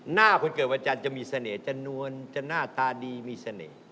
หน้าคนเกิดวันจันทร์จะมีเสน่ห์จะนวลจะหน้าตาดีมีเสน่ห์